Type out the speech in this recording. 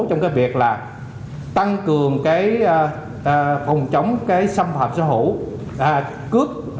trong cái việc là tăng cường cái phòng chống cái xâm phạm xã hội